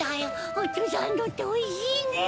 ホットサンドっておいしいね！